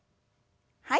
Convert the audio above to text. はい。